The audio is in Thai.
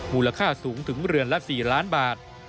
มูลค่าสูงถึงเรือนละ๔ล้านบาท